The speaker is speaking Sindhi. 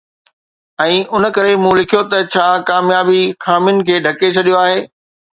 ۽ ان ڪري مون لکيو ته ”ڇا ڪاميابي خامين کي ڍڪي ڇڏيو آهي؟